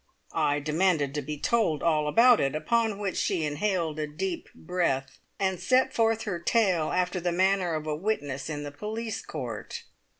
I demanded to be told "all about it," upon which she inhaled a deep breath, and set forth her tale after the manner of a witness in the police court.